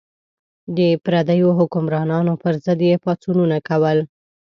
د پردیو حکمرانانو پر ضد یې پاڅونونه کول.